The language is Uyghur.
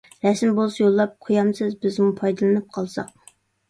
رەسىمى بولسا يوللاپ قويامسىز؟ بىزمۇ پايدىلىنىپ قالساق.